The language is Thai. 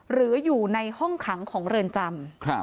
หรืออยู่ในห้องขังของเรือนจำ